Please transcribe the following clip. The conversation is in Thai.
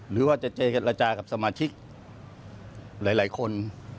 หรือว่าจะเจรจากับสมาชิกหลายคน